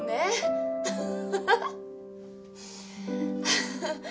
ハハハ。